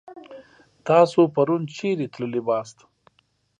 تاسو پرون چيرې تللي واست؟